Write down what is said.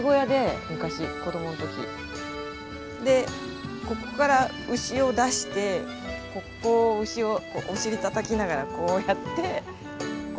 でここから牛を出してここを牛をお尻たたきながらこうやって。